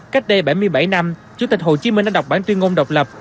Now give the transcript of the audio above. cách đây bảy mươi bảy năm chủ tịch hồ chí minh đã đọc bản tuyên ngôn độc lập